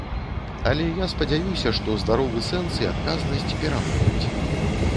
Але я спадзяюся, што здаровы сэнс і адказнасць перамогуць.